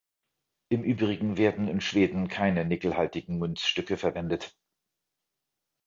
Im übrigen werden in Schweden keine nickelhaltigen Münzstücke verwendet.